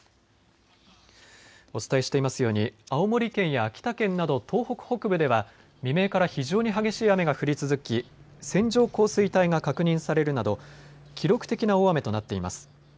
お伝えしていますように青森県や秋田県など東北北部では未明から非常に激しい雨が降り続き線状降水帯が確認されるなど記録的な大雨となっています。